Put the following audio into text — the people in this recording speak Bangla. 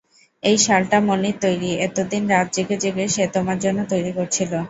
এই শালটা মণির তৈরি, এতদিন রাত জেগে জেগে সে তোমার জন্যে তৈরি করছিল।